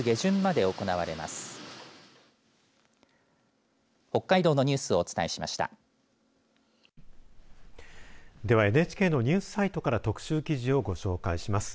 では、ＮＨＫのニュースサイトから特集記事をご紹介します。